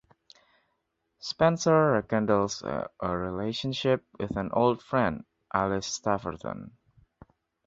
Spencer rekindles a relationship with an old friend, Alice Staverton.